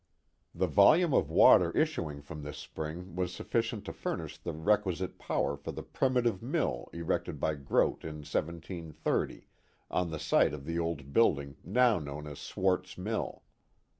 The volume of water issuing from this spring was sufficient to furnish the requisite power for the primitive mill erected by Groot in 1730, on the site of the old building now known as Swart's mill.